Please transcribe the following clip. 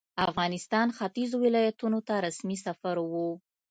افغانستان ختیځو ولایتونو ته رسمي سفر وو.